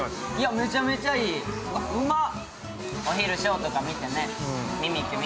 めちゃめちゃいい、うまっ。